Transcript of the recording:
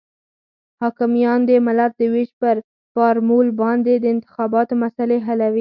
حاکمیان د ملت د وېش پر فارمول باندې د انتخاباتو مسلې حلوي.